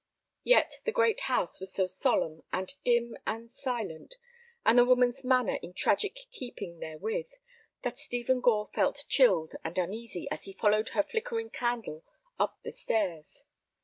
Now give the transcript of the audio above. Yet the great house was so solemn and dim and silent, and the woman's manner in tragic keeping therewith, that Stephen Gore felt chilled and uneasy as he followed her flickering candle up the stairs.